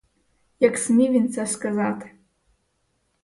Як смів він це сказати.